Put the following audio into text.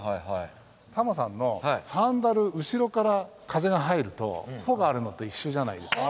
タモリさんのサンダル後ろから風が入ると帆があるのと一緒じゃないですか。